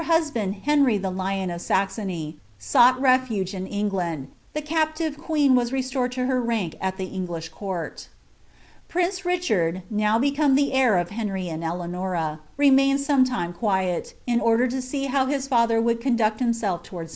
iband Henry the Lion of Suxuiiy, sought rpfuge in Ei^ud, tlie captive queen was restored to her r^nk al the English Bce Richard, now become the heir of Henry and Eleanors, remained « quiet, in order to see how his talher would condnct himself urn.